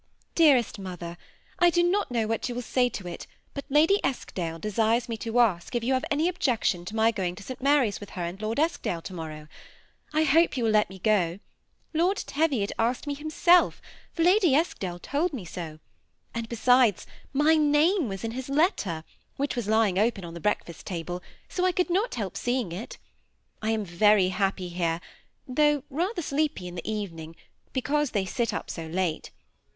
^^ Dearest Mother, — I do not know what you will say to it, but Lady Eskdale desires me to ask if you have any objection to my going to St. Mary's with her and Lord Eskdale to morrow ? I hope you will let me go. Lord Teviot asked me himself, for Lady Eskdale told me so; and besides, my name was in his letter, which was lying open on the breakfast table, so I could THE SEMI ATTACHED COtJPLB. 89 not help seeing it.' I am verj happy here, though rather sleepy in the evening, because they sit up so late.